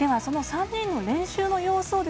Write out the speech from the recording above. では、その３人の練習の様子